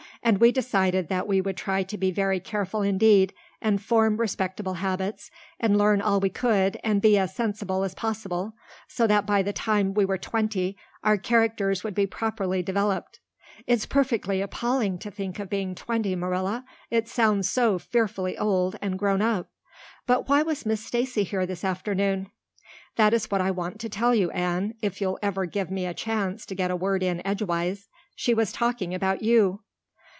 And we decided that we would try to be very careful indeed and form respectable habits and learn all we could and be as sensible as possible, so that by the time we were twenty our characters would be properly developed. It's perfectly appalling to think of being twenty, Marilla. It sounds so fearfully old and grown up. But why was Miss Stacy here this afternoon?" "That is what I want to tell you, Anne, if you'll ever give me a chance to get a word in edgewise. She was talking about you."